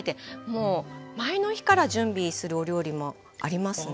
もう前の日から準備するお料理もありますね。